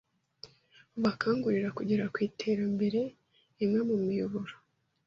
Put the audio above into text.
bubakangurira kugera ku iterambere. Imwe mu miyoboro